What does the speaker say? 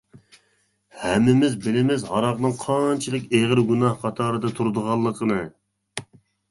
ھەممىمىز بىلىمىز ھاراقنىڭ قانچىلىك ئېغىر گۇناھ قاتارىدا تۇرىدىغانلىقىنى.